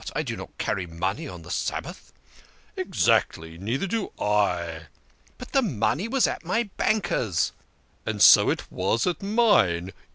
I do not carry money on the Sabbath." " Exactly. Neither do I." " But the money was at my bankers'." " And so it was at mine.